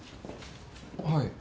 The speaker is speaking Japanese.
はい？